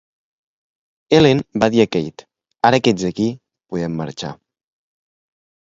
Helen va dir a Kate: Ara que ets aquí, podem marxar.